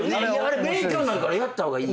勉強になるからやった方がいいよ。